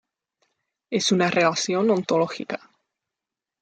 Es una relación ontológica.